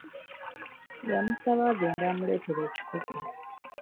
Yamusaba agende amuleetere ekikopo.